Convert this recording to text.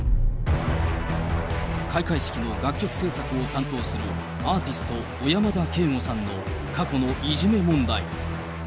開会式の楽曲制作を担当するアーティスト、小山田圭吾さんの過去のいじめ問題。